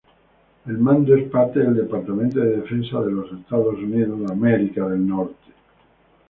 El mando es parte del Departamento de Defensa de los Estados Unidos.